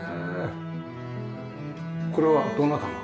これはどなたが？